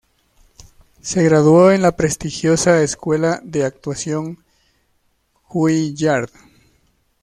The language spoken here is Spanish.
Se graduó en la prestigiosa escuela de actuación Juilliard.